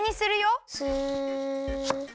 スッ。